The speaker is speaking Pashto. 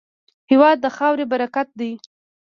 هېواد د خاورې برکت دی.